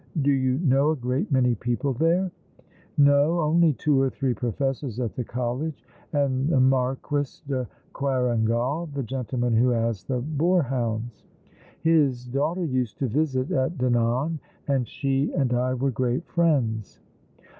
Do you know a great many people there ?"" No, only two or three professors at the college, and the ]\Iarquis de Querangal, the gentleman who has the boar hounds. His daughter used to visit at Dinan, and she and I were great friends."